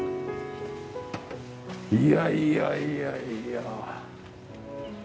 いやいやいやいや。